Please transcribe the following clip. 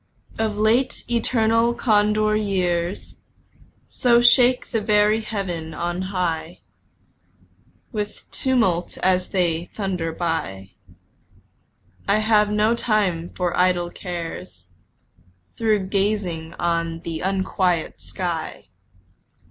Of late, eternal Condor years So shake the very Heaven on high With tumult as they thunder by, I have no time for idle cares Though gazing on the unquiet sky.